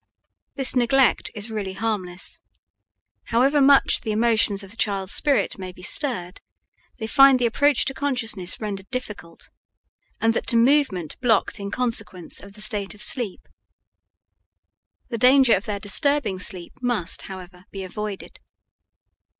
This neglect is really harmless; however much the emotions of the child's spirit may be stirred, they find the approach to consciousness rendered difficult, and that to movement blocked in consequence of the state of sleep. The danger of their disturbing sleep must, however, be avoided.